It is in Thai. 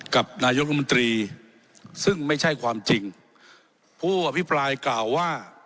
กับนายกรมนตรีซึ่งไม่ใช่ความจริงผู้อภิปรายกล่าวว่า